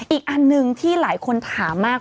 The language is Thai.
อีกอันหนึ่งที่หลายคนถามมาก